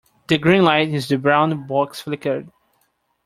The green light in the brown box flickered.